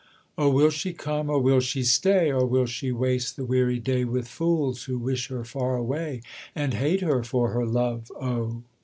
'Oh, will she come, or will she stay, Or will she waste the weary day With fools who wish her far away, And hate her for her love O?'